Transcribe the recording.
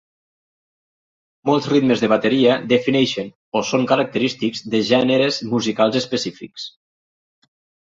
Molts ritmes de bateria defineixen o són característics de gèneres musicals específics.